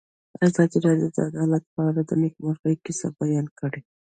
ازادي راډیو د عدالت په اړه د نېکمرغۍ کیسې بیان کړې.